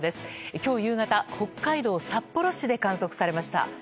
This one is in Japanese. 今日夕方、北海道札幌市で観測されました。